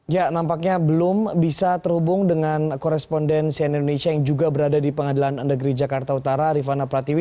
ya nampaknya belum bisa terhubung dengan korespondensi indonesia yang juga berada di pengadilan negeri jakarta utara rifana pratiwi